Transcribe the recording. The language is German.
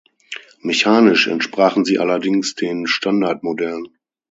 Mechanisch entsprachen sie allerdings den Standardmodellen.